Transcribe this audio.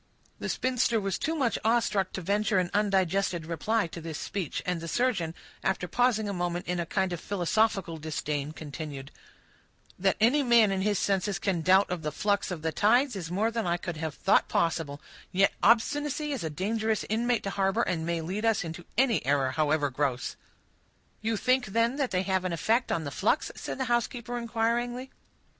The spinster was too much awe struck to venture an undigested reply to this speech; and the surgeon, after pausing a moment in a kind of philosophical disdain, continued,— "That any man in his senses can doubt of the flux of the tides is more than I could have thought possible; yet obstinacy is a dangerous inmate to harbor, and may lead us into any error, however gross." "You think, then, they have an effect on the flux?" said the housekeeper, inquiringly.